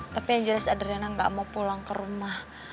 tapi yang jelas adrena gak mau pulang ke rumah